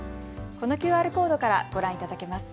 このＱＲコードからご覧いただけます。